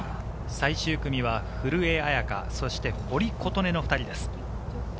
最終組は古江彩佳、堀琴音の２人です。